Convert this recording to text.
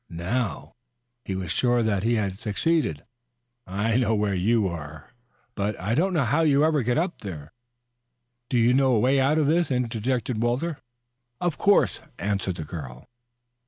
Now he was sure that he had succeeded. "I know where you are but I don't know how you ever got there." "Do you know a way out of this?" interjected Walter. "Of course," answered the girl.